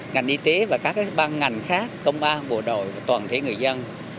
ngành y tế và các ban ngành khác công an bộ đội toàn thể người dân